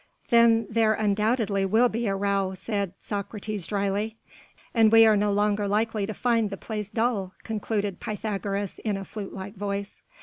"Then there undoubtedly will be a row," said Socrates dryly. "And we are no longer likely to find the place dull," concluded Pythagoras in a flute like voice.